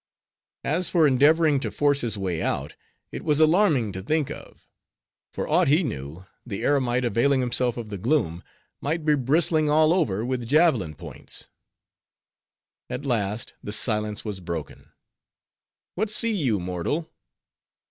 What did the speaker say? As for endeavoring to force his way out, it was alarming to think of; for aught he knew, the eremite, availing himself of the gloom, might be bristling all over with javelin points. At last, the silence was broken. "What see you, mortal?"